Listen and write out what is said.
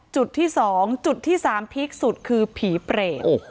จุดที่๒จุดที่๓พีคสุดคือผีเปรต